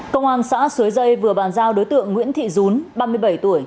công an xã suối dây vừa bàn giao đối tượng nguyễn thị dún ba mươi bảy tuổi